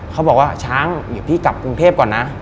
เขาบอกว่าช้างเดี๋ยวพี่กลับกรุงเทพก่อนนะ